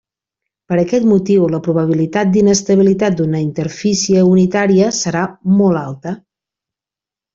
Per aquest motiu la probabilitat d'inestabilitat d'una interfície unitària serà molt alta.